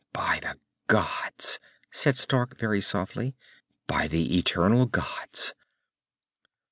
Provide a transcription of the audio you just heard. "By the gods," said Stark, very softly. "By the eternal gods!"